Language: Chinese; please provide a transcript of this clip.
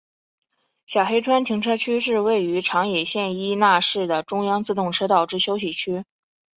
小黑川停车区是位于长野县伊那市的中央自动车道之休息区。